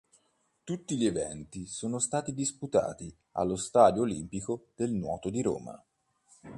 Tutti gli eventi sono stati disputati allo Stadio Olimpico del Nuoto di Roma.